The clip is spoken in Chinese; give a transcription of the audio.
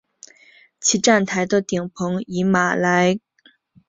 其站台的顶棚以马来甘榜高脚屋和山墙作为其建筑设计。